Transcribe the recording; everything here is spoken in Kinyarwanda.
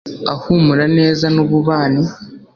ahumura neza n ububani